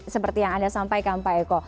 seperti yang anda sampaikan